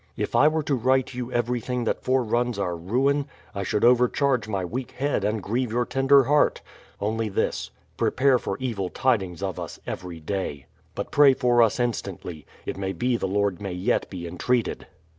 If I were to write you everything that foreruns our ruin, I should overcharge my weak head and grieve your tender heart; only this, — prepare for evil tidings of us every day. But pray for us instantly. It may be the Lord may yet be entreated.